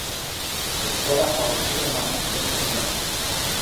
Escuela Juan Isidro Maza, nivel Secundario.